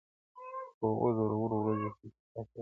o په اووه زورورو ورځو کي کيسه ده,